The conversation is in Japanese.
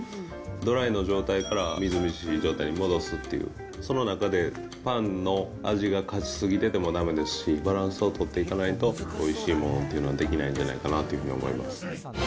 ドライの状態からみずみずしい状態に戻すっていう、その中でパンの味が勝ちすぎててもだめですし、バランスを取っていかないとおいしいものっていうのはできないんじゃないかなというふうに思います。